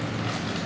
oh ini dia